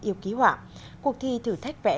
yêu ký họa cuộc thi thử thách vẽ